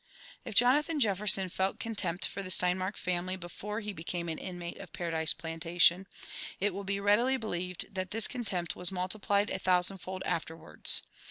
If Jonathan Jefferson felt contempt for the Steinmark family before he became an inmate of Paradise Plantation, it will be readily believed that this contempt was multiplied a thousand fold afterwards.